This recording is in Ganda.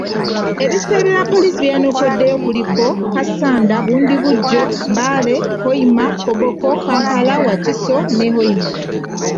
Ebifo ebirala poliisi bye yanokoddeyo kuliko; Kassanda, Bundibugyo, Mbale, Hoima, Koboko, Kampala, Wakiso ne Hoima.